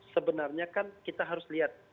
sebenarnya kan kita harus lihat